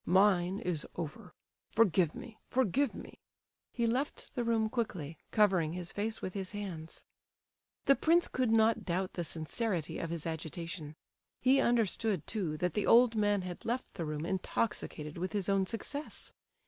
Mine is over. Forgive me, forgive me!" He left the room quickly, covering his face with his hands. The prince could not doubt the sincerity of his agitation. He understood, too, that the old man had left the room intoxicated with his own success.